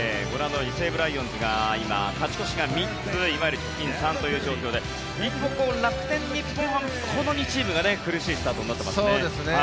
西武ライオンズが今、勝ち越しが３ついわゆる貯金３という状況で一方、楽天、日本ハムこの２チームが苦しいスタートになっていますね。